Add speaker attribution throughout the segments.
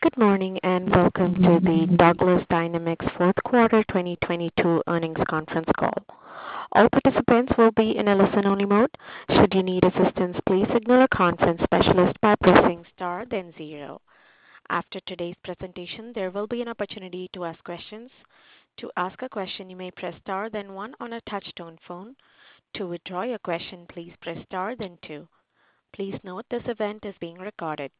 Speaker 1: Good morning, and welcome to the Douglas Dynamics fourth quarter 2022 earnings conference call. All participants will be in a listen-only mode. Should you need assistance, please signal a conference specialist by pressing Star then 0. After today's presentation, there will be an opportunity to ask questions. To ask a question, you may press Star then 1 on a touch-tone phone. To withdraw your question, please press Star then 2. Please note this event is being recorded.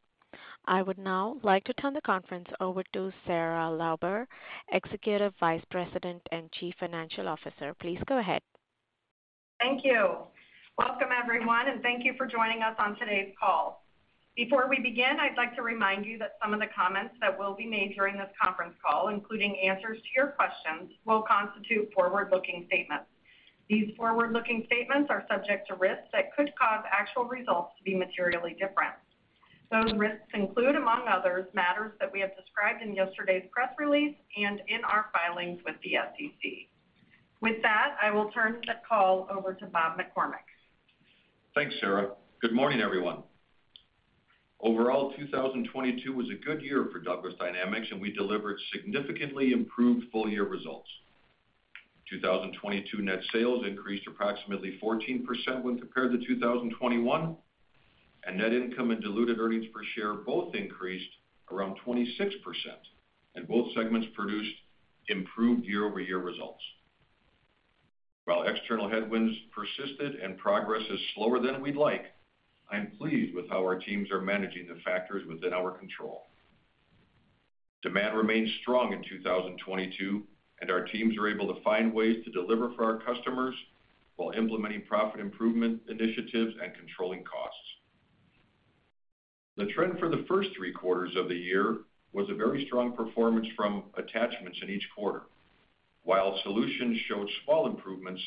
Speaker 1: I would now like to turn the conference over to Sarah Lauber, Executive Vice President and Chief Financial Officer. Please go ahead.
Speaker 2: Thank you. Welcome, everyone, and thank you for joining us on today's call. Before we begin, I'd like to remind you that some of the comments that will be made during this conference call, including answers to your questions, will constitute forward-looking statements. These forward-looking statements are subject to risks that could cause actual results to be materially different. Those risks include, among others, matters that we have described in yesterday's press release and in our filings with the SEC. I will turn the call over to Bob McCormick.
Speaker 3: Thanks, Sarah. Good morning, everyone. Overall, 2022 was a good year for Douglas Dynamics, and we delivered significantly improved full-year results. 2022 net sales increased approximately 14% when compared to 2021, and net income and diluted earnings per share both increased around 26%, and both segments produced improved year-over-year results. While external headwinds persisted and progress is slower than we'd like, I'm pleased with how our teams are managing the factors within our control. Demand remained strong in 2022, and our teams were able to find ways to deliver for our customers while implementing profit improvement initiatives and controlling costs. The trend for the first 3 quarters of the year was a very strong performance from attachments in each quarter, while solutions showed small improvements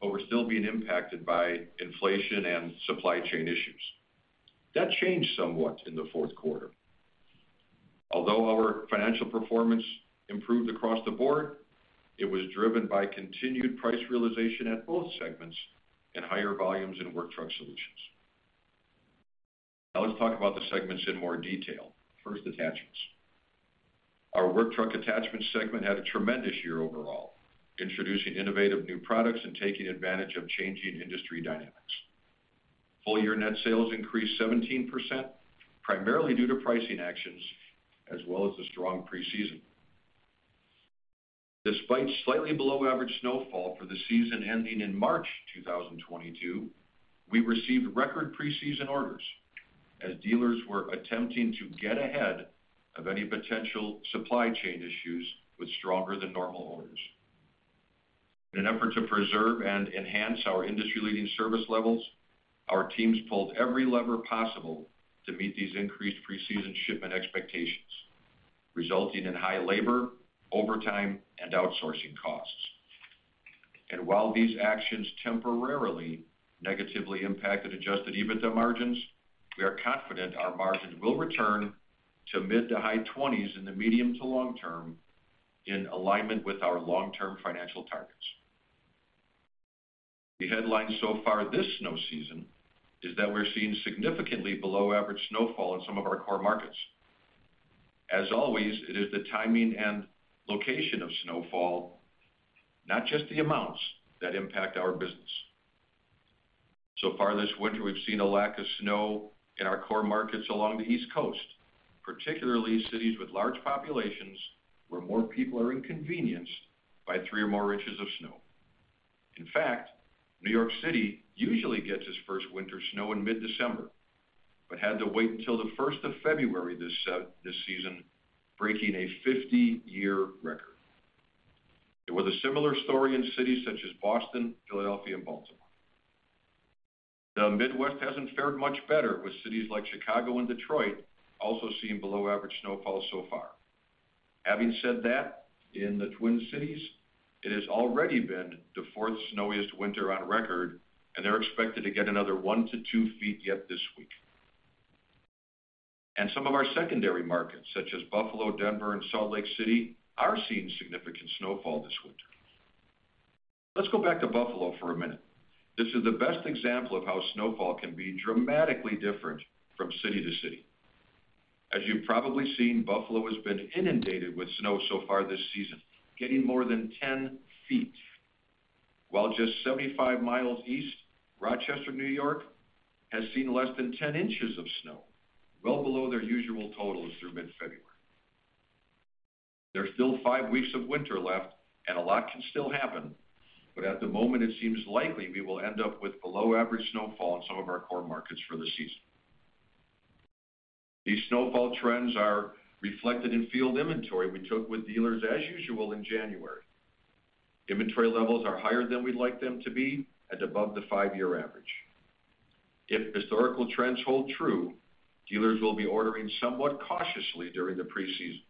Speaker 3: but were still being impacted by inflation and supply chain issues. That changed somewhat in the fourth quarter. Although our financial performance improved across the board, it was driven by continued price realization at both segments and higher volumes in Work Truck Solutions. Let's talk about the segments in more detail. First, Attachments. Our Work Truck Attachments segment had a tremendous year overall, introducing innovative new products and taking advantage of changing industry dynamics. Full year net sales increased 17%, primarily due to pricing actions as well as the strong preseason. Despite slightly below average snowfall for the season ending in March 2022, we received record preseason orders as dealers were attempting to get ahead of any potential supply chain issues with stronger than normal orders. In an effort to preserve and enhance our industry-leading service levels, our teams pulled every lever possible to meet these increased preseason shipment expectations, resulting in high labor, overtime, and outsourcing costs. While these actions temporarily negatively impacted adjusted EBITDA margins, we are confident our margins will return to mid to high twenties in the medium to long term in alignment with our long-term financial targets. The headline so far this snow season is that we're seeing significantly below average snowfall in some of our core markets. As always, it is the timing and location of snowfall, not just the amounts, that impact our business. So far this winter, we've seen a lack of snow in our core markets along the East Coast, particularly cities with large populations where more people are inconvenienced by three or more inches of snow. In fact, New York City usually gets its first winter snow in mid-December but had to wait until the first of February this season, breaking a 50-year record. It was a similar story in cities such as Boston, Philadelphia, and Baltimore. The Midwest hasn't fared much better, with cities like Chicago and Detroit also seeing below average snowfall so far. Having said that, in the Twin Cities, it has already been the fourth snowiest winter on record, and they're expected to get another 1 to 2 feet yet this week. Some of our secondary markets, such as Buffalo, Denver, and Salt Lake City, are seeing significant snowfall this winter. Let's go back to Buffalo for a minute. This is the best example of how snowfall can be dramatically different from city to city. As you've probably seen, Buffalo has been inundated with snow so far this season, getting more than 10 feet. While just 75 miles east, Rochester, New York, has seen less than 10 inches of snow, well below their usual totals through mid-February. There are still 5 weeks of winter left, and a lot can still happen. At the moment, it seems likely we will end up with below average snowfall in some of our core markets for the season. These snowfall trends are reflected in field inventory we took with dealers as usual in January. Inventory levels are higher than we'd like them to be and above the 5-year average. If historical trends hold true, dealers will be ordering somewhat cautiously during the preseason.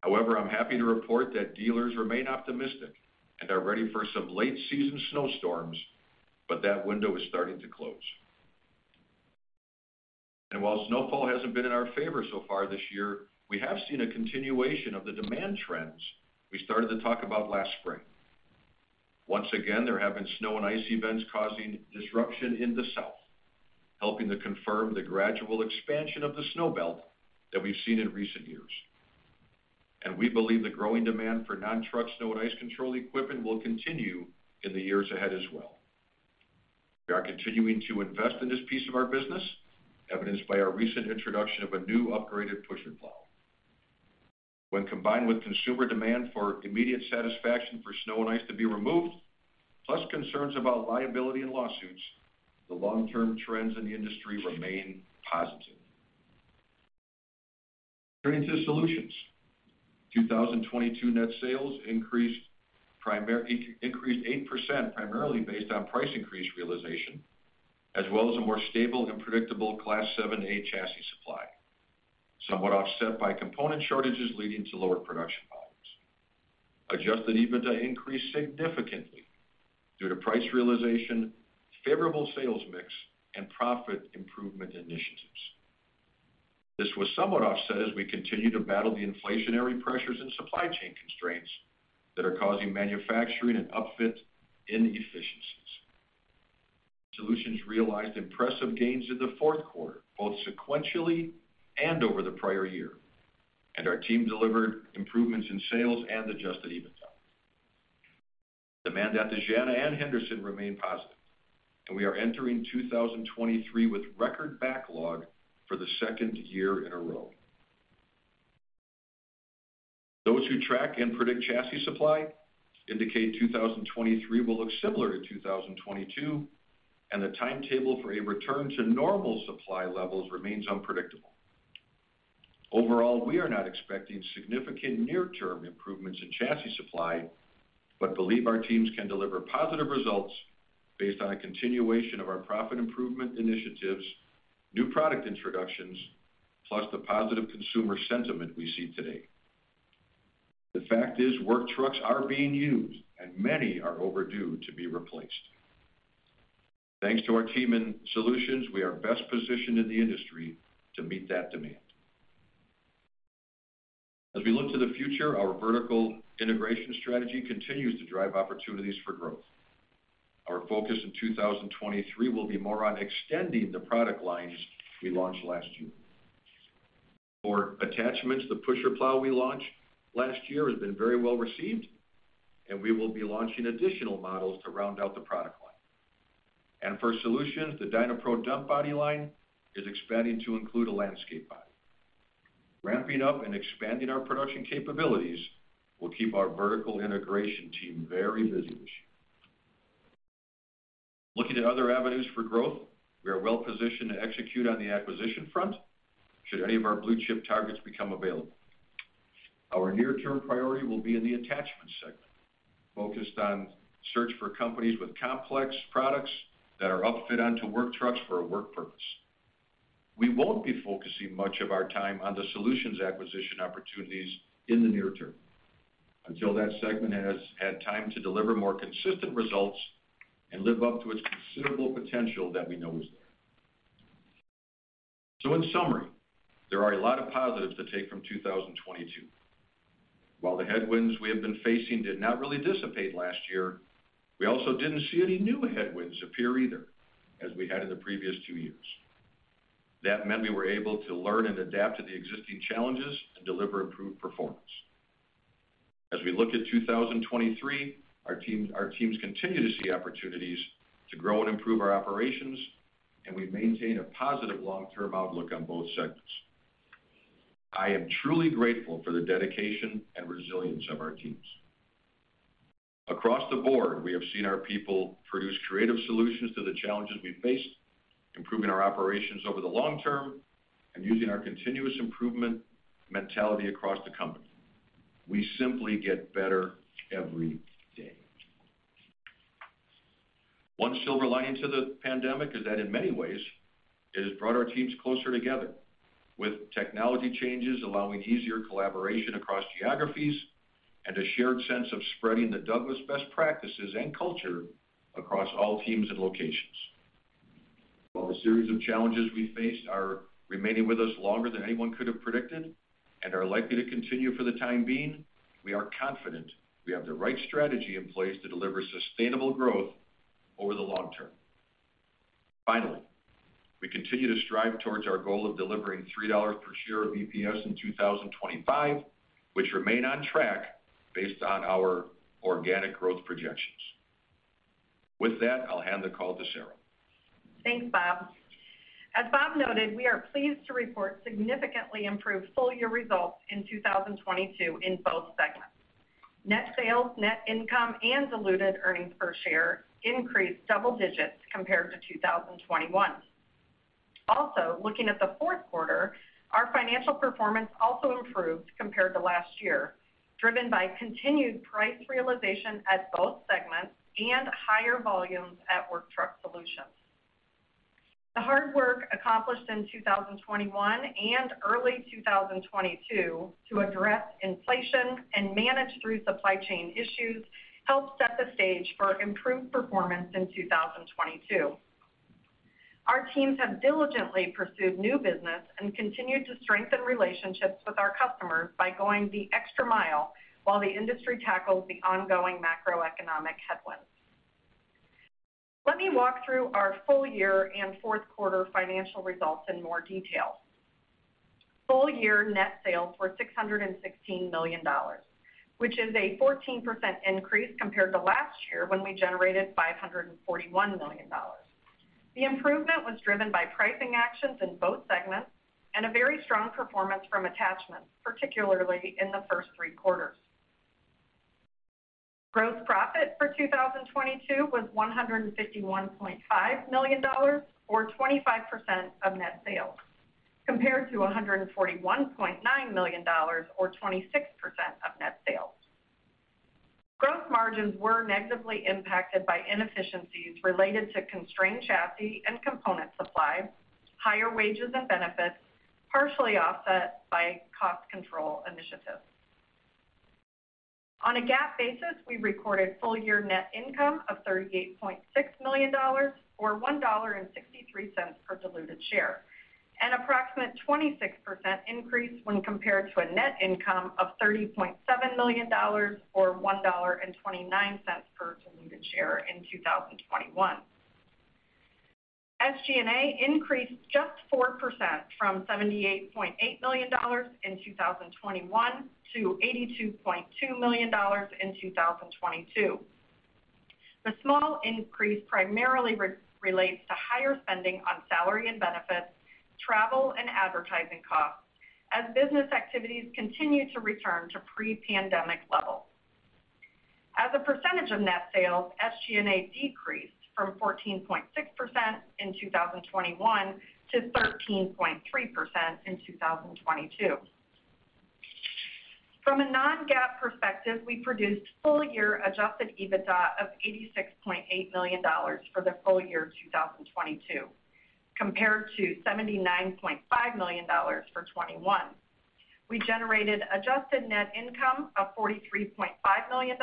Speaker 3: However, I'm happy to report that dealers remain optimistic and are ready for some late season snowstorms, but that window is starting to close. While snowfall hasn't been in our favor so far this year, we have seen a continuation of the demand trends we started to talk about last spring. Once again, there have been snow and icy events causing disruption in the South, helping to confirm the gradual expansion of the Snowbelt that we've seen in recent years. We believe the growing demand for non-truck snow and ice control equipment will continue in the years ahead as well. We are continuing to invest in this piece of our business, evidenced by our recent introduction of a new upgraded pusher plow. When combined with consumer demand for immediate satisfaction for snow and ice to be removed, plus concerns about liability and lawsuits, the long-term trends in the industry remain positive. Turning to Solutions. 2022 net sales increased 8% primarily based on price increase realization, as well as a more stable and predictable Class 7 chassis supply, somewhat offset by component shortages leading to lower production volumes. Adjusted EBITDA increased significantly due to price realization, favorable sales mix, and profit improvement initiatives. This was somewhat offset as we continue to battle the inflationary pressures and supply chain constraints that are causing manufacturing and upfit inefficiencies. Solutions realized impressive gains in the fourth quarter, both sequentially and over the prior year, our team delivered improvements in sales and adjusted EBITDA. Demand at Dejana and Henderson remain positive, we are entering 2023 with record backlog for the second year in a row. Those who track and predict chassis supply indicate 2023 will look similar to 2022, and the timetable for a return to normal supply levels remains unpredictable. Overall, we are not expecting significant near-term improvements in chassis supply, but believe our teams can deliver positive results based on a continuation of our profit improvement initiatives, new product introductions, plus the positive consumer sentiment we see today. The fact is, work trucks are being used and many are overdue to be replaced. Thanks to our team in Solutions, we are best positioned in the industry to meet that demand. As we look to the future, our vertical integration strategy continues to drive opportunities for growth. Our focus in 2023 will be more on extending the product lines we launched last year. For attachments, the pusher plow we launched last year has been very well received, and we will be launching additional models to round out the product line. For Solutions, the DynaPro dump body line is expanding to include a landscape body. Ramping up and expanding our production capabilities will keep our vertical integration team very busy this year. Looking at other avenues for growth, we are well positioned to execute on the acquisition front should any of our blue-chip targets become available. Our near-term priority will be in the attachment segment, focused on search for companies with complex products that are upfit onto work trucks for a work purpose. We won't be focusing much of our time on the Solutions acquisition opportunities in the near term until that segment has had time to deliver more consistent results and live up to its considerable potential that we know is there. In summary, there are a lot of positives to take from 2022. While the headwinds we have been facing did not really dissipate last year, we also didn't see any new headwinds appear either as we had in the previous two years. That meant we were able to learn and adapt to the existing challenges and deliver improved performance. As we look at 2023, our teams continue to see opportunities to grow and improve our operations, and we maintain a positive long-term outlook on both segments. I am truly grateful for the dedication and resilience of our teams. Across the board, we have seen our people produce creative solutions to the challenges we face, improving our operations over the long term and using our continuous improvement mentality across the company. We simply get better every day. One silver lining to the pandemic is that in many ways it has brought our teams closer together with technology changes allowing easier collaboration across geographies and a shared sense of spreading the Douglas best practices and culture across all teams and locations. While the series of challenges we faced are remaining with us longer than anyone could have predicted and are likely to continue for the time being, we are confident we have the right strategy in place to deliver sustainable growth over the long term. We continue to strive towards our goal of delivering $3 per share of EPS in 2025, which remain on track based on our organic growth projections. With that, I'll hand the call to Sarah.
Speaker 2: Thanks, Bob. As Bob noted, we are pleased to report significantly improved full-year results in 2022 in both segments. Net sales, net income, and diluted earnings per share increased double digits compared to 2021. Looking at the fourth quarter, our financial performance also improved compared to last year, driven by continued price realization at both segments and higher volumes at Work Truck Solutions. The hard work accomplished in 2021 and early 2022 to address inflation and manage through supply chain issues helped set the stage for improved performance in 2022. Our teams have diligently pursued new business and continued to strengthen relationships with our customers by going the extra mile while the industry tackles the ongoing macroeconomic headwinds. Let me walk through our full year and fourth quarter financial results in more detail. Full year net sales were $616 million, which is a 14% increase compared to last year when we generated $541 million. The improvement was driven by pricing actions in both segments and a very strong performance from attachments, particularly in the first three quarters. Gross profit for 2022 was $151.5 million or 25% of net sales, compared to $141.9 million or 26% of net sales. Gross margins were negatively impacted by inefficiencies related to constrained chassis and component supply, higher wages and benefits, partially offset by cost control initiatives. On a GAAP basis, we recorded full year net income of $38.6 million or $1.63 per diluted share, an approximate 26% increase when compared to a net income of $30.7 million or $1.29 per diluted share in 2021. SG&A increased just 4% from $78.8 million in 2021 to $82.2 million in 2022. The small increase primarily relates to higher spending on salary and benefits, travel and advertising costs as business activities continue to return to pre-pandemic levels. As a percentage of net sales, SG&A decreased from 14.6% in 2021 to 13.3% in 2022. From a non-GAAP perspective, we produced full year adjusted EBITDA of $86.8 million for the full year 2022, compared to $79.5 million for 2021. We generated adjusted net income of $43.5 million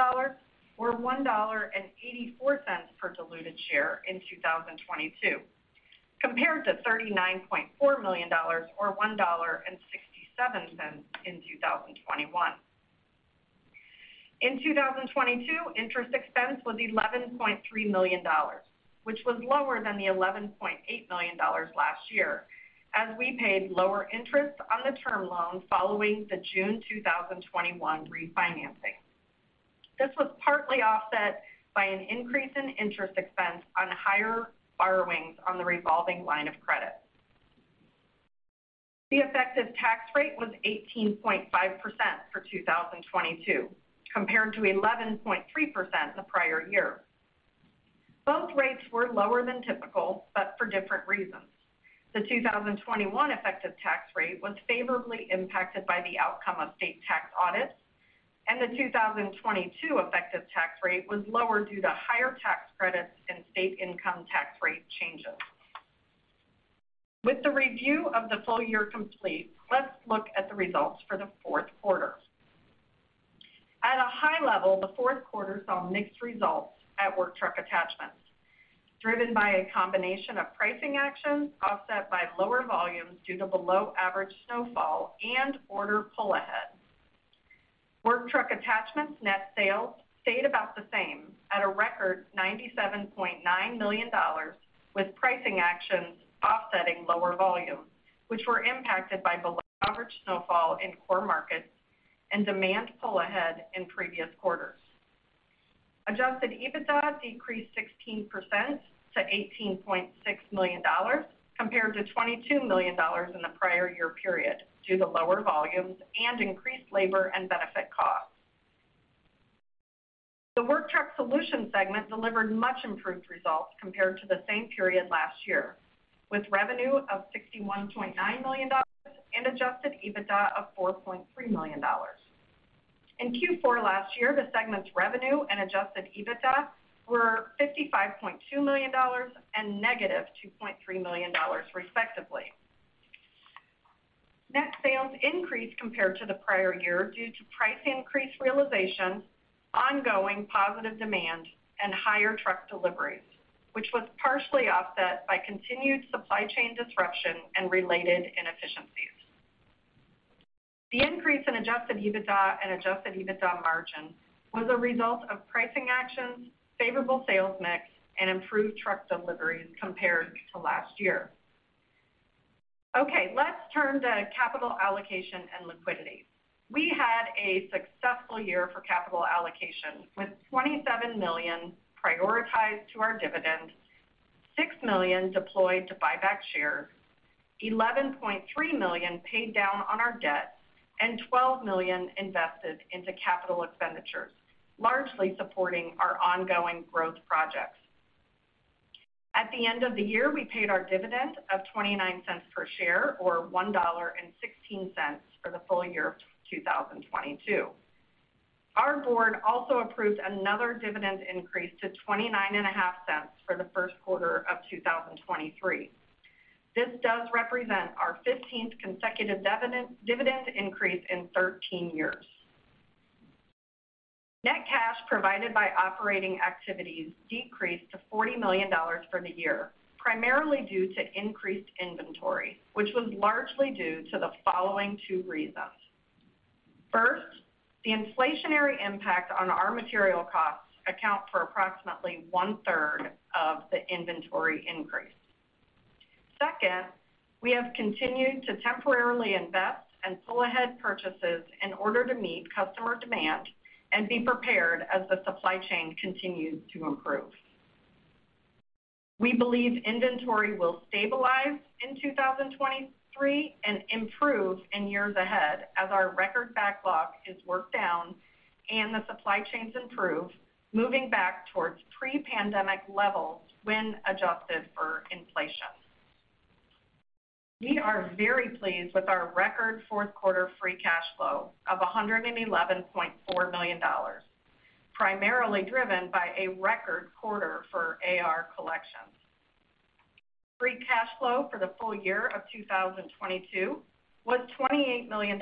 Speaker 2: or $1.84 per diluted share in 2022, compared to $39.4 million or $1.67 in 2021. In 2022, interest expense was $11.3 million, which was lower than the $11.8 million last year, as we paid lower interest on the term loan following the June 2021 refinancing. This was partly offset by an increase in interest expense on higher borrowings on the revolving line of credit. The effective tax rate was 18.5 for 2022, compared to 11.3% the prior year. Both rates were lower than typical, but for different reasons. The 2021 effective tax rate was favorably impacted by the outcome of state tax audits, and the 2022 effective tax rate was lower due to higher tax credits and state income tax rate changes. With the review of the full year complete, let's look at the results for the fourth quarter. At a high level, the fourth quarter saw mixed results at Work Truck Attachments, driven by a combination of pricing actions offset by lower volumes due to below average snowfall and order pull ahead. Work Truck Attachments net sales stayed about the same at a record $97.9 million, with pricing actions offsetting lower volumes, which were impacted by below average snowfall in core markets and demand pull ahead in previous quarters. adjusted EBITDA decreased 16% to $18.6 million, compared to $22 million in the prior year period due to lower volumes and increased labor and benefit costs. The Work Truck Solutions segment delivered much improved results compared to the same period last year, with revenue of $61.9 million and adjusted EBITDA of $4.3 million. In Q4 last year, the segment's revenue and adjusted EBITDA were $55.2 million and negative $2.3 million, respectively. Net sales increased compared to the prior year due to price increase realization, ongoing positive demand and higher truck deliveries, which was partially offset by continued supply chain disruption and related inefficiencies. The increase in adjusted EBITDA and adjusted EBITDA margin was a result of pricing actions, favorable sales mix and improved truck deliveries compared to last year. Okay, let's turn to capital allocation and liquidity. We had a successful year for capital allocation, with $27 million prioritized to our dividend, $6 million deployed to buy back shares, $11.3 million paid down on our debt, and $12 million invested into capital expenditures, largely supporting our ongoing growth projects. At the end of the year, we paid our dividend of $0.29 per share, or $1.16 for the full year of 2022. Our board also approved another dividend increase to $0.295 for the first quarter of 2023. This does represent our 15th consecutive dividend increase in 13 years. Net cash provided by operating activities decreased to $40 million for the year, primarily due to increased inventory, which was largely due to the following two reasons. First, the inflationary impact on our material costs account for approximately one-third of the inventory increase. Second, we have continued to temporarily invest and pull ahead purchases in order to meet customer demand and be prepared as the supply chain continues to improve. We believe inventory will stabilize in 2023 and improve in years ahead as our record backlog is worked down and the supply chains improve, moving back towards pre-pandemic levels when adjusted for inflation. We are very pleased with our record fourth quarter free cash flow of $111.4 million, primarily driven by a record quarter for AR collections. Free cash flow for the full year of 2022 was $28 million,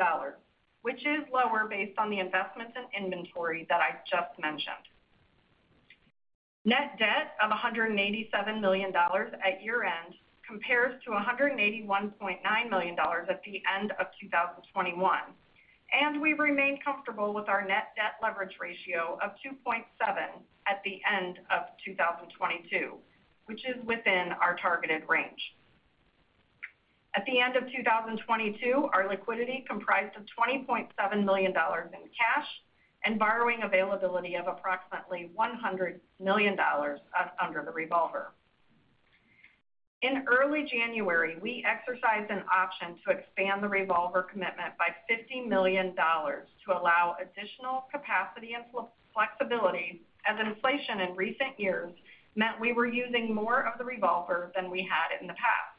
Speaker 2: which is lower based on the investments in inventory that I just mentioned. Net debt of $187 million at year-end compares to $181.9 million at the end of 2021, and we remain comfortable with our net debt leverage ratio of 2.7 at the end of 2022, which is within our targeted range. At the end of 2022, our liquidity comprised of $20.7 million in cash and borrowing availability of approximately $100 million under the revolver. In early January, we exercised an option to expand the revolver commitment by $50 million to allow additional capacity and flexibility, as inflation in recent years meant we were using more of the revolver than we had in the past.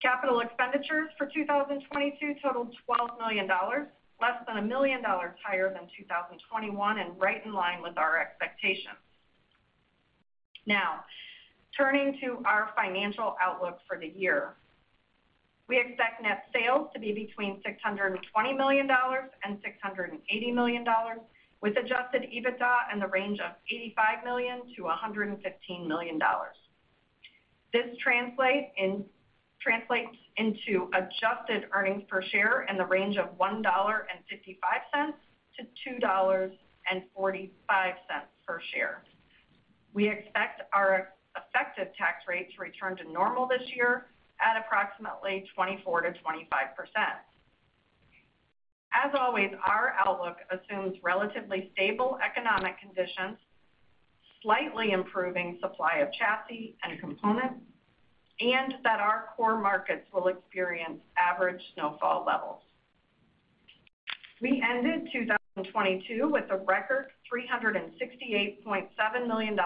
Speaker 2: Capital expenditures for 2022 totaled $12 million, less than $1 million higher than 2021 and right in line with our expectations. Now, turning to our financial outlook for the year. We expect net sales to be between $620 million and $680 million, with adjusted EBITDA in the range of $85 million to $115 million. This translates into adjusted earnings per share in the range of $1.55 to $2.45 per share. We expect our effective tax rate to return to normal this year at approximately 24%-25%. As always, our outlook assumes relatively stable economic conditions, slightly improving supply of chassis and components, and that our core markets will experience average snowfall levels. We ended 2022 with a record $368.7 million in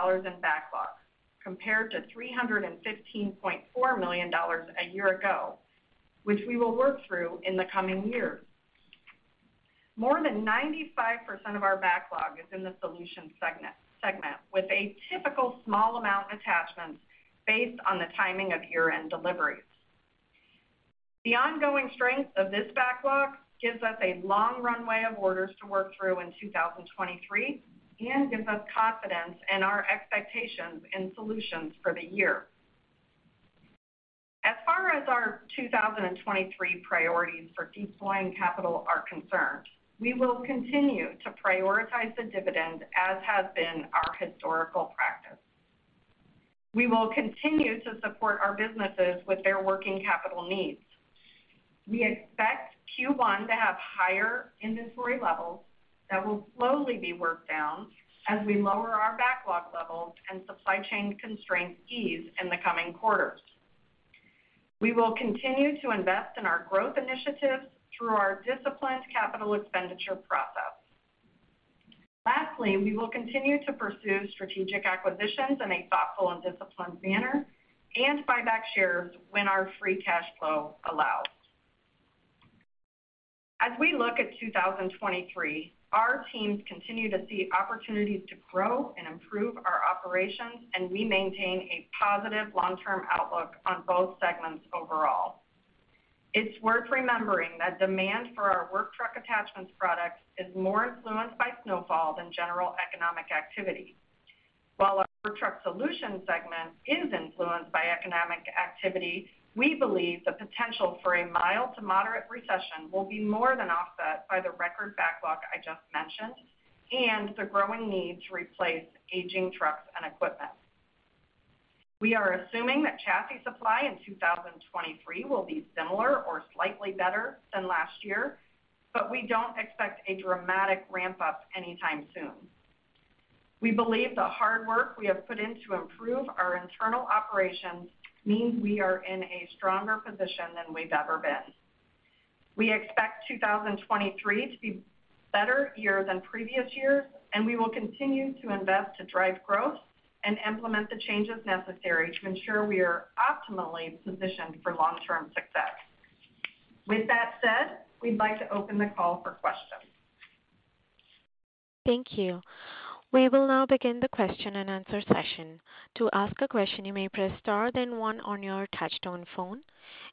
Speaker 2: backlog, compared to $315.4 million a year ago, which we will work through in the coming year. More than 95% of our backlog is in the Solutions segment, with a typical small amount of attachments based on the timing of year-end deliveries. The ongoing strength of this backlog gives us a long runway of orders to work through in 2023 and gives us confidence in our expectations in Solutions for the year. As far as our 2023 priorities for deploying capital are concerned, we will continue to prioritize the dividend as has been our historical practice. We will continue to support our businesses with their working capital needs. We expect Q1 to have higher inventory levels that will slowly be worked down as we lower our backlog levels and supply chain constraints ease in the coming quarters. We will continue to invest in our growth initiatives through our disciplined capital expenditure process. Lastly, we will continue to pursue strategic acquisitions in a thoughtful and disciplined manner and buy back shares when our free cash flow allows. As we look at 2023, our teams continue to see opportunities to grow and improve our operations, and we maintain a positive long-term outlook on both segments overall. It's worth remembering that demand for our Work Truck Attachments products is more influenced by snowfall than general economic activity. While our Work Truck Solutions segment is influenced by economic activity, we believe the potential for a mild to moderate recession will be more than offset by the record backlog I just mentioned and the growing need to replace aging trucks and equipment. We are assuming that chassis supply in 2023 will be similar or slightly better than last year, but we don't expect a dramatic ramp-up anytime soon. We believe the hard work we have put in to improve our internal operations means we are in a stronger position than we've ever been. We expect 2023 to be better year than previous years, and we will continue to invest to drive growth and implement the changes necessary to ensure we are optimally positioned for long-term success. With that said, we'd like to open the call for questions.
Speaker 1: Thank you. We will now begin the question-and-answer session. To ask a question, you may press star then one on your touch-tone phone.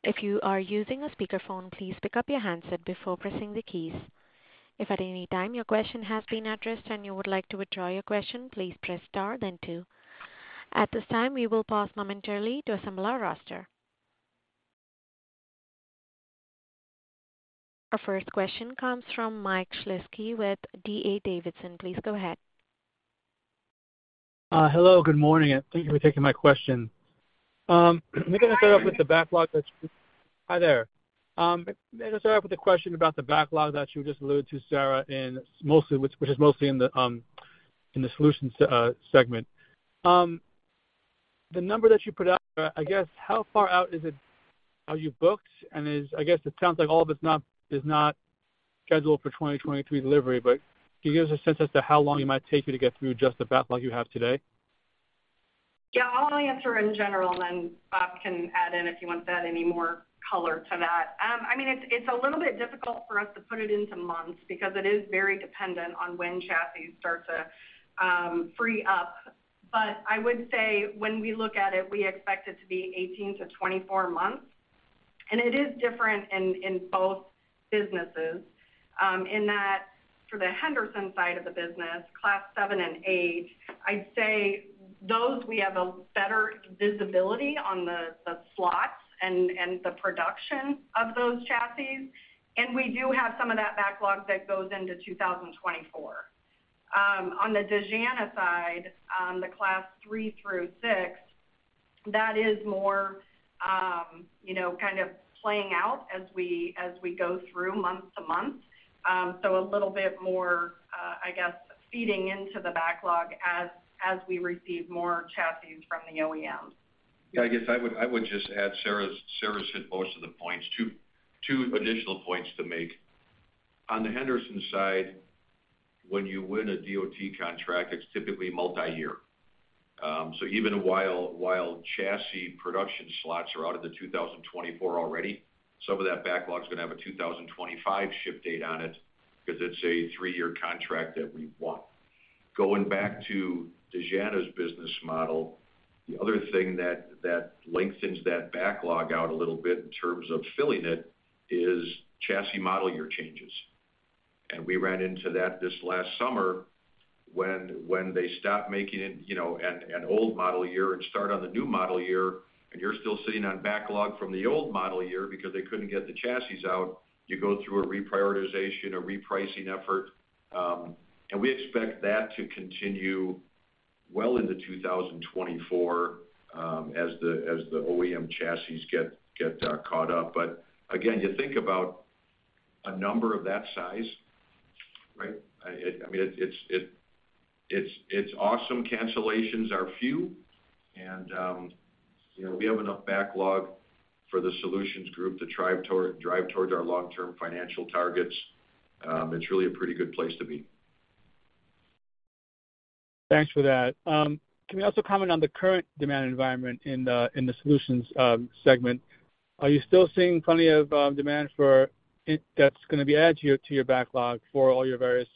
Speaker 1: If you are using a speakerphone, please pick up your handset before pressing the keys. If at any time your question has been addressed and you would like to withdraw your question, please press star then two. At this time, we will pause momentarily to assemble our roster. Our first question comes from Mike Shlisky with D.A. Davidson. Please go ahead.
Speaker 4: Hello, good morning, and thank you for taking my question. Hi there. gonna start off with a question about the backlog that you just alluded to, Sarah, which is mostly in the solutions segment. The number that you put out, I guess how far out is it, are you booked? I guess it sounds like all of it's not scheduled for 2023 delivery, but can you give us a sense as to how long it might take you to get through just the backlog you have today?
Speaker 2: Yeah, I'll answer in general, and then Bob can add in if he wants to add any more color to that. I mean, it's a little bit difficult for us to put it into months because it is very dependent on when chassis start to free up. I would say when we look at it, we expect it to be 18-24 months. It is different in both businesses, in that for the Henderson side of the business, Class 7 and 8, I'd say those we have a better visibility on the slots and the production of those chassis. We do have some of that backlog that goes into 2024. On the Dejana side, the Class 3 through 6, that is more, you know, kind of playing out as we go through month to month. A little bit more, I guess, feeding into the backlog as we receive more chassis from the OEMs.
Speaker 3: I guess I would just add Sarah's. Sarah said most of the points. Two additional points to make. On the Henderson side, when you win a DOT contract, it's typically multi-year. Even while chassis production slots are out of 2024 already, some of that backlog's gonna have a 2025 ship date on it because it's a 3-year contract that we won. Going back to Dejana's business model, the other thing that lengthens that backlog out a little bit in terms of filling it is chassis model year changes. We ran into that this last summer when they stopped making it, you know, an old model year and start on the new model year, and you're still sitting on backlog from the old model year because they couldn't get the chassis out, you go through a reprioritization, a repricing effort. We expect that to continue well into 2024, as the OEM chassis get caught up. Again, you think about a number of that size, right? I mean, it's awesome. Cancellations are few and, you know, we have enough backlog for the Solutions Group to drive towards our long-term financial targets. It's really a pretty good place to be.
Speaker 4: Thanks for that. Can you also comment on the current demand environment in the, in the Solutions segment? Are you still seeing plenty of demand for it that's gonna be added to your backlog for all your various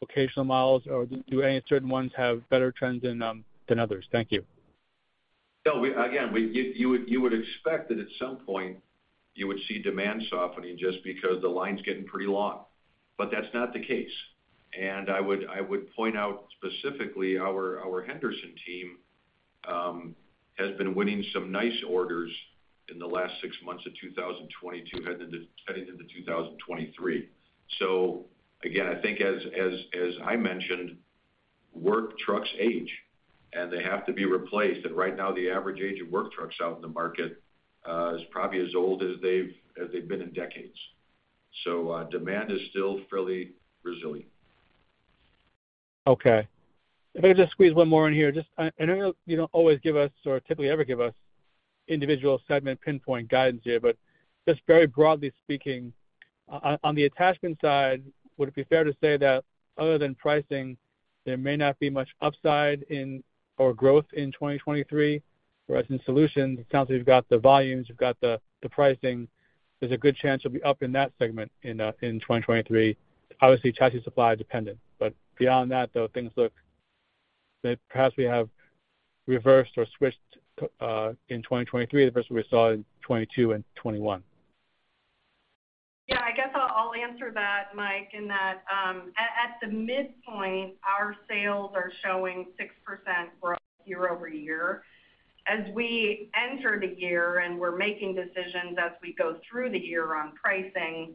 Speaker 4: vocational models, or do any certain ones have better trends than others? Thank you.
Speaker 3: No. You would expect that at some point you would see demand softening just because the line's getting pretty long. That's not the case. I would point out specifically our Henderson team has been winning some nice orders in the last six months of 2022 heading into 2023. Again, I think as I mentioned, work trucks age, and they have to be replaced. Right now, the average age of work trucks out in the market is probably as old as they've been in decades. Demand is still fairly resilient.
Speaker 4: Okay. If I could just squeeze one more in here. I know you don't always give us or typically ever give us individual segment pinpoint guidance here, but just very broadly speaking, on the attachment side, would it be fair to say that other than pricing, there may not be much upside in or growth in 2023? Whereas in solutions, it sounds like you've got the volumes, you've got the pricing. There's a good chance you'll be up in that segment in 2023. Obviously, chassis supply dependent. Beyond that though, things look that perhaps we have reversed or switched in 2023 versus what we saw in 2022 and 2021.
Speaker 2: Yeah, I guess I'll answer that, Mike, in that, at the midpoint, our sales are showing 6% growth year-over-year. As we enter the year, we're making decisions as we go through the year on pricing,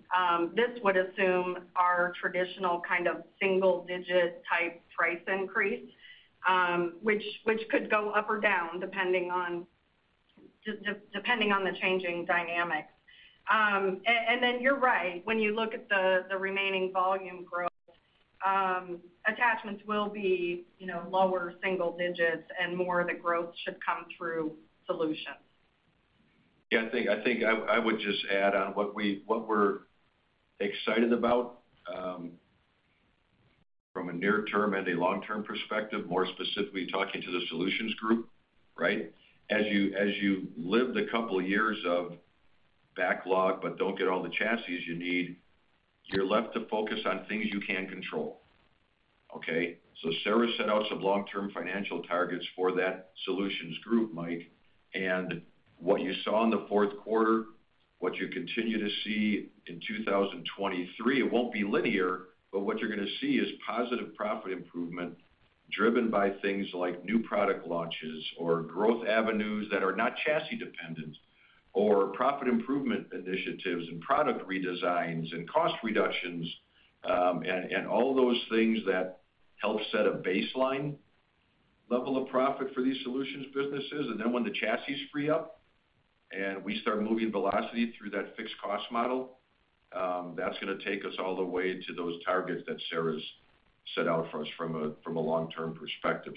Speaker 2: this would assume our traditional kind of single-digit type price increase, which could go up or down depending on the changing dynamics. Then you're right. When you look at the remaining volume growth, attachments will be, you know, lower single-digits and more of the growth should come through solutions.
Speaker 3: Yeah, I think I would just add on what we're excited about from a near-term and a long-term perspective, more specifically talking to the Solutions group, right? As you, as you lived a couple of years of backlog, but don't get all the chassis you need, you're left to focus on things you can control, okay? Sarah set out some long-term financial targets for that Solutions group, Mike. What you saw in the fourth quarter, what you continue to see in 2023, it won't be linear, but what you're gonna see is positive profit improvement driven by things like new product launches or growth avenues that are not chassis dependent, or profit improvement initiatives and product redesigns and cost reductions, and all those things that help set a baseline level of profit for these Solutions businesses. When the chassis free up and we start moving velocity through that fixed cost model, that's gonna take us all the way to those targets that Sarah's set out for us from a, from a long-term perspective.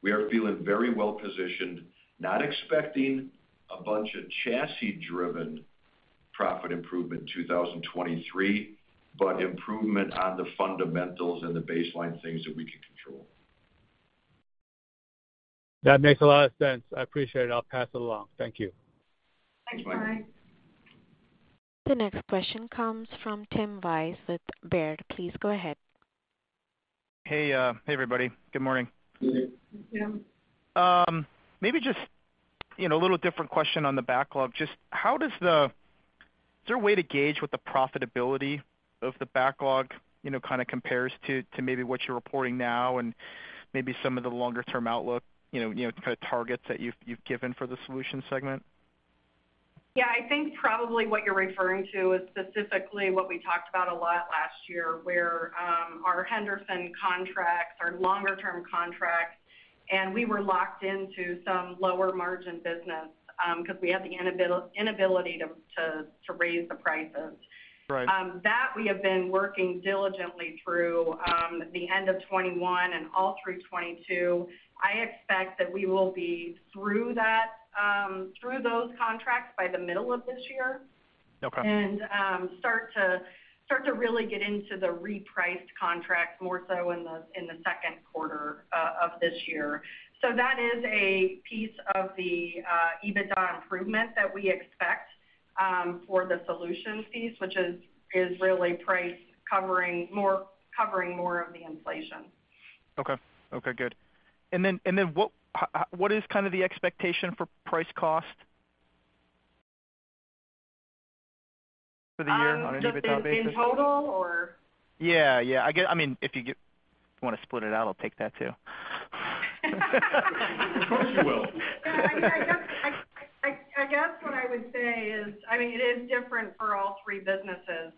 Speaker 3: We are feeling very well positioned, not expecting a bunch of chassis-driven profit improvement in 2023, but improvement on the fundamentals and the baseline things that we can control.
Speaker 4: That makes a lot of sense. I appreciate it. I'll pass it along. Thank you.
Speaker 2: Thank you, Mike.
Speaker 3: Thanks.
Speaker 1: The next question comes from Tim Wojs with Baird. Please go ahead.
Speaker 5: Hey, everybody. Good morning.
Speaker 2: Good morning.
Speaker 3: Good morning.
Speaker 5: maybe just, you know, a little different question on the backlog. Just is there a way to gauge what the profitability of the backlog, you know, kinda compares to maybe what you're reporting now and maybe some of the longer term outlook, you know, the kinda targets that you've given for the solutions segment?
Speaker 2: Yeah. I think probably what you're referring to is specifically what we talked about a lot last year, where, our Henderson contracts, our longer term contracts, and we were locked into some lower margin business, 'cause we had the inability to raise the prices.
Speaker 5: Right.
Speaker 2: That we have been working diligently through the end of 2021 and all through 2022. I expect that we will be through that through those contracts by the middle of this year.
Speaker 5: Okay.
Speaker 2: Start to really get into the repriced contracts more so in the second quarter of this year. That is a piece of the EBITDA improvement that we expect for the solutions piece, which is really priced covering more of the inflation.
Speaker 5: Okay. Okay, good. Then what is kind of the expectation for price cost for the year on an EBITDA basis?
Speaker 2: just in total or?
Speaker 5: Yeah, yeah. I mean, wanna split it out, I'll take that too.
Speaker 3: Of course you will.
Speaker 2: No, I mean, I guess what I would say is, I mean, it is different for all three businesses.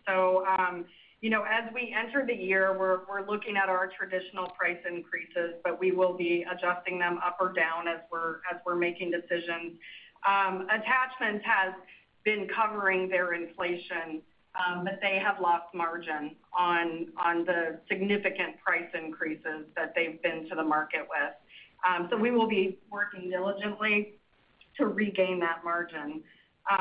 Speaker 2: You know, as we enter the year, we're looking at our traditional price increases, but we will be adjusting them up or down as we're making decisions. Attachment has been covering their inflation, but they have lost margin on the significant price increases that they've been to the market with. We will be working diligently to regain that margin.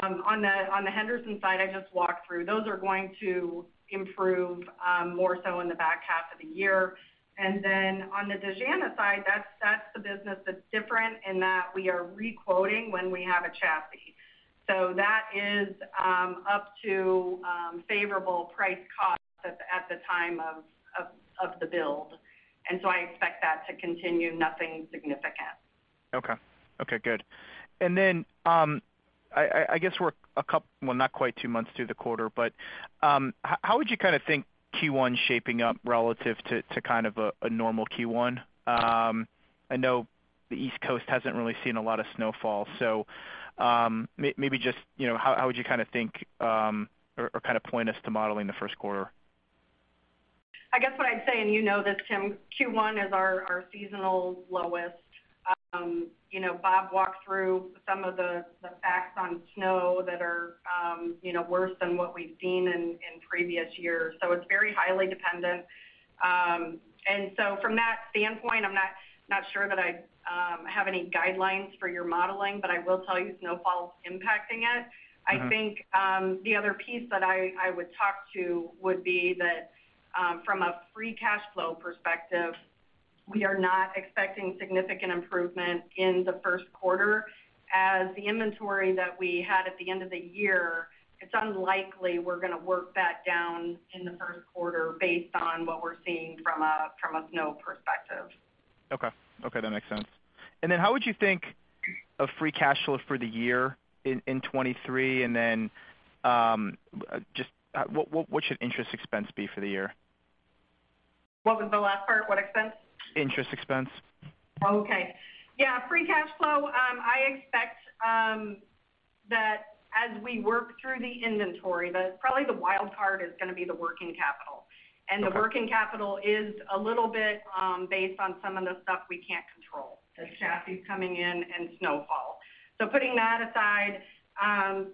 Speaker 2: On the Henderson side I just walked through, those are going to improve more so in the back half of the year. On the Dejana side, that's the business that's different in that we are re-quoting when we have a chassis. That is up to favorable price cost at the time of the build. I expect that to continue nothing significant.
Speaker 5: Okay. Okay, good. I guess we're well, not quite two months through the quarter, but, how would you kinda think Q1 shaping up relative to kind of a normal Q1? I know the East Coast hasn't really seen a lot of snowfall. Maybe just, you know, how would you kinda think, or kinda point us to modeling the first quarter?
Speaker 2: I guess what I'd say, and you know this, Tim, Q1 is our seasonal lowest. You know, Bob walked through some of the facts on snow that are, you know, worse than what we've seen in previous years. It's very highly dependent. From that standpoint, I'm not sure that I have any guidelines for your modeling, but I will tell you snowfall is impacting it.
Speaker 5: Mm-hmm.
Speaker 2: I think, the other piece that I would talk to would be that, from a free cash flow perspective, we are not expecting significant improvement in the first quarter. The inventory that we had at the end of the year, it's unlikely we're gonna work that down in the first quarter based on what we're seeing from a snow perspective.
Speaker 5: Okay. Okay, that makes sense. How would you think of free cash flow for the year in '23? Just what should interest expense be for the year?
Speaker 2: What was the last part? What expense?
Speaker 5: Interest expense.
Speaker 2: Okay. Yeah, free cash flow, I expect, that as we work through the inventory, probably the wild card is gonna be the working capital.
Speaker 5: Okay.
Speaker 2: The working capital is a little bit, based on some of the stuff we can't control, the chassis coming in and snowfall. Putting that aside,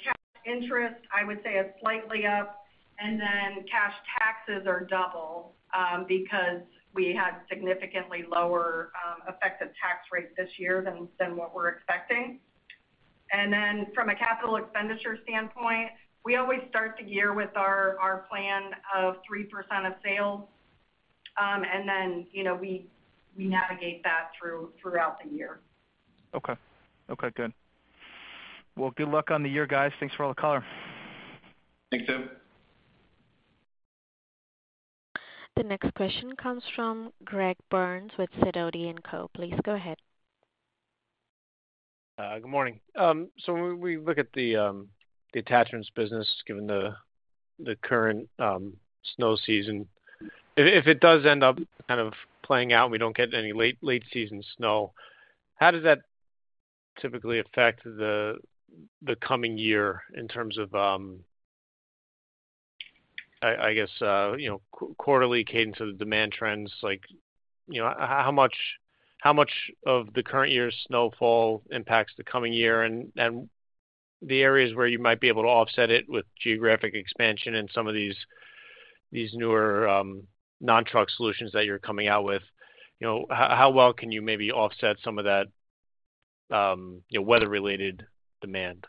Speaker 2: cash interest, I would say is slightly up. Cash taxes are double, because we had significantly lower, effective tax rates this year than what we're expecting. From a capital expenditure standpoint, we always start the year with our plan of 3% of sales. You know, we navigate that throughout the year.
Speaker 5: Okay. Okay, good. Good luck on the year, guys. Thanks for all the color.
Speaker 3: Thanks, Tim.
Speaker 1: The next question comes from Greg Burns with Sidoti & Co. Please go ahead.
Speaker 6: Good morning. When we look at the attachments business, given the current snow season. If it does end up kind of playing out and we don't get any late season snow, how does that typically affect the coming year in terms of, I guess, you know, quarterly cadence of the demand trends? Like, you know, how much of the current year's snowfall impacts the coming year and the areas where you might be able to offset it with geographic expansion and some of these newer, non-truck solutions that you're coming out with? You know, how well can you maybe offset some of that, you know, weather-related demand?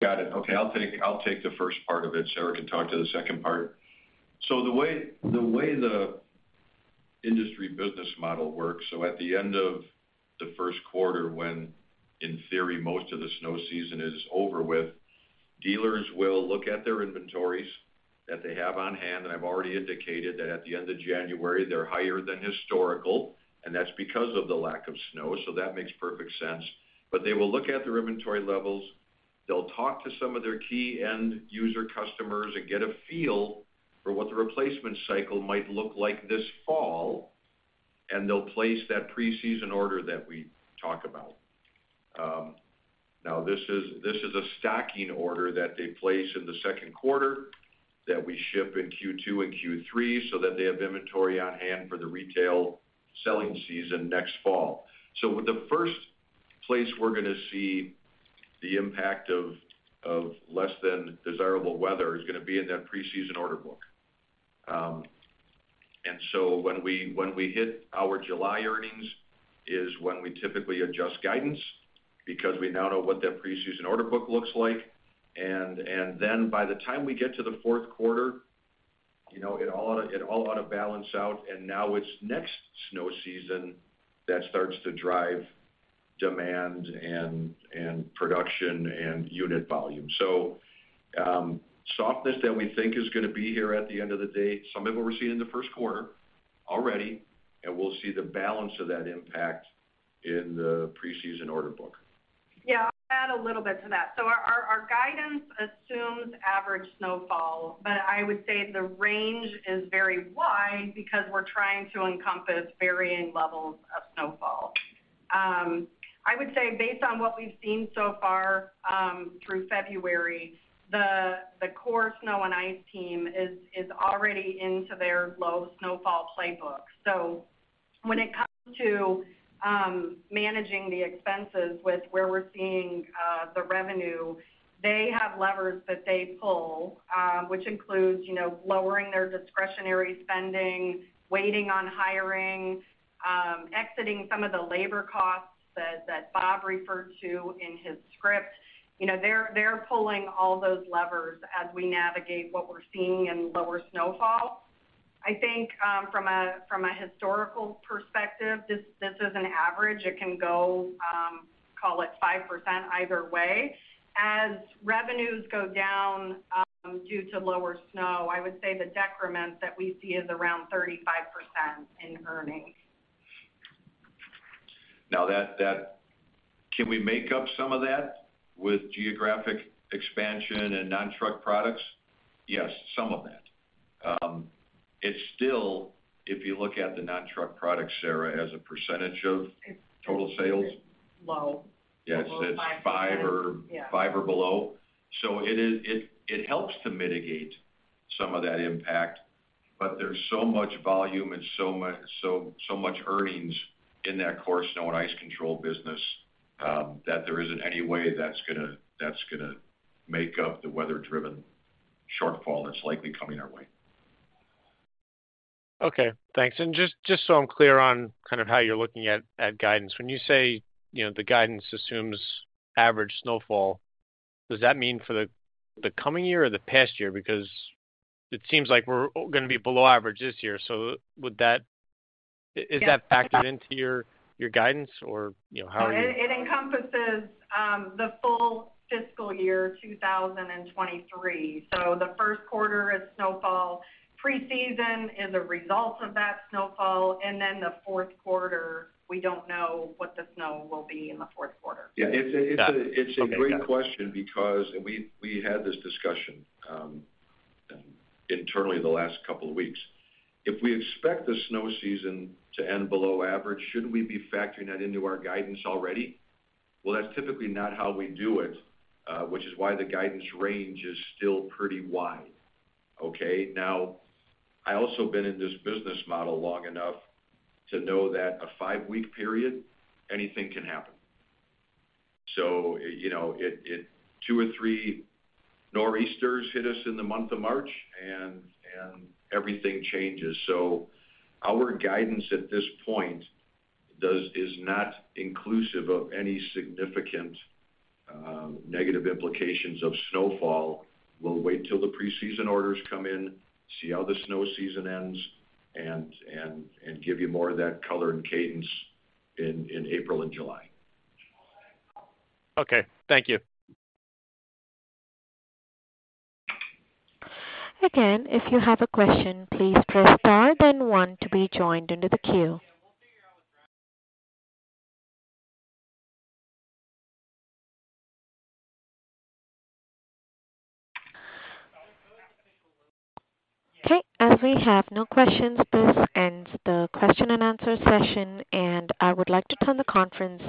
Speaker 3: Got it. Okay. I'll take the 1st part of it. Sarah can talk to the 2nd part. The way the industry business model works, at the end of the 1st quarter when, in theory, most of the snow season is over with, dealers will look at their inventories that they have on hand, and I've already indicated that at the end of January, they're higher than historical, and that's because of the lack of snow, so that makes perfect sense. They will look at their inventory levels, they'll talk to some of their key end user customers and get a feel for what the replacement cycle might look like this fall, and they'll place that pre-season order that we talk about. Now this is a stocking order that they place in the second quarter that we ship in Q2 and Q3 so that they have inventory on hand for the retail selling season next fall. The first place we're gonna see the impact of less than desirable weather is gonna be in that pre-season order book. When we hit our July earnings is when we typically adjust guidance because we now know what that pre-season order book looks like. By the time we get to the fourth quarter, you know, it all ought to balance out, now it's next snow season that starts to drive demand and production and unit volume. Softness that we think is going to be here at the end of the day, some of it we're seeing in the first quarter already, and we'll see the balance of that impact in the pre-season order book.
Speaker 2: I'll add a little bit to that. Our guidance assumes average snowfall. I would say the range is very wide because we're trying to encompass varying levels of snowfall. I would say based on what we've seen so far, through February, the core snow and ice team is already into their low snowfall playbook. When it comes to managing the expenses with where we're seeing the revenue, they have levers that they pull, which includes, you know, lowering their discretionary spending, waiting on hiring, exiting some of the labor costs that Bob referred to in his script. You know, they're pulling all those levers as we navigate what we're seeing in lower snowfall. I think from a historical perspective, this is an average. It can go, call it 5% either way. As revenues go down, due to lower snow, I would say the decrement that we see is around 35% in earnings.
Speaker 3: Now that... Can we make up some of that with geographic expansion and non-truck products? Yes, some of that. It's still, if you look at the non-truck products, Sarah, as a percentage of-
Speaker 2: It's-
Speaker 3: total sales.
Speaker 2: Low.
Speaker 3: Yes.
Speaker 2: Below 5%.
Speaker 3: It's 5
Speaker 2: Yeah.
Speaker 3: Five or below. It helps to mitigate some of that impact. There's so much volume and so much earnings in that core snow and ice control business that there isn't any way that's gonna, that's gonna make up the weather-driven shortfall that's likely coming our way.
Speaker 6: Okay, thanks. Just so I'm clear on kind of how you're looking at guidance. When you say, you know, the guidance assumes average snowfall, does that mean for the coming year or the past year? It seems like we're gonna be below average this year.
Speaker 2: Yeah.
Speaker 6: Is that factored into your guidance or, you know, how are you?
Speaker 2: It encompasses the full fiscal year 2023. The first quarter is snowfall. Pre-season is a result of that snowfall. The fourth quarter, we don't know what the snow will be in the fourth quarter.
Speaker 3: Yeah.
Speaker 6: Got it. Okay.
Speaker 3: It's a great question and we had this discussion internally the last couple of weeks. If we expect the snow season to end below average, shouldn't we be factoring that into our guidance already? That's typically not how we do it, which is why the guidance range is still pretty wide. Okay? I also been in this business model long enough to know that a 5-week period, anything can happen. You know, 2 or 3 nor'easters hit us in the month of March and everything changes. Our guidance at this point is not inclusive of any significant negative implications of snowfall. We'll wait till the pre-season orders come in, see how the snow season ends, and give you more of that color and cadence in April and July.
Speaker 6: Okay, thank you.
Speaker 1: Again, if you have a question, please press Star, then One to be joined into the queue. Okay. As we have no questions, this ends the question and answer session, and I would like to turn the conference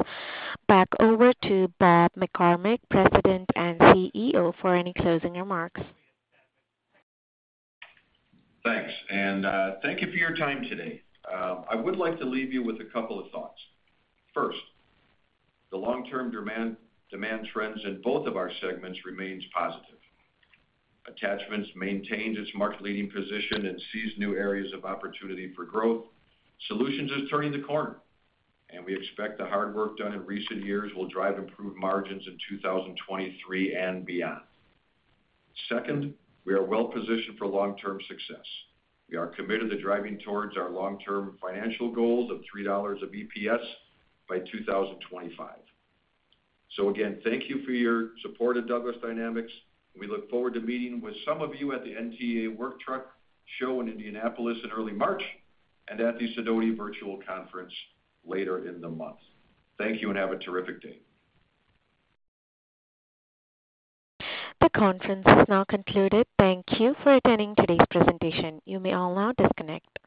Speaker 1: back over to Bob McCormick, President and CEO, for any closing remarks.
Speaker 3: Thanks. Thank you for your time today. I would like to leave you with a couple of thoughts. First, the long-term demand trends in both of our segments remains positive. Attachments maintains its market leading position and sees new areas of opportunity for growth. Solutions is turning the corner, and we expect the hard work done in recent years will drive improved margins in 2023 and beyond. Second, we are well positioned for long-term success. We are committed to driving towards our long-term financial goals of $3 of EPS by 2025. Again, thank you for your support of Douglas Dynamics. We look forward to meeting with some of you at the NTEA's Work Truck Week in Indianapolis in early March and at the Sidoti virtual conference later in the month. Thank you and have a terrific day.
Speaker 1: The conference is now concluded. Thank you for attending today's presentation. You may all now disconnect.